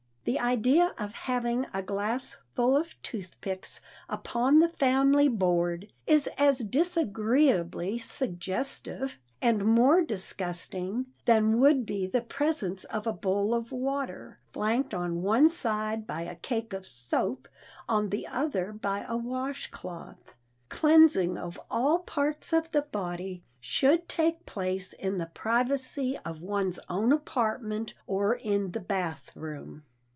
The idea of having a glass full of toothpicks upon the family board is as disagreeably suggestive, and more disgusting, than would be the presence of a bowl of water, flanked on one side by a cake of soap, on the other by a wash cloth. Cleansing of all parts of the body should take place in the privacy of one's own apartment or in the bath room.